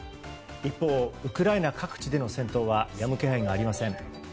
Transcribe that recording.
一方、ウクライナ各地での戦闘はやむ気配がありません。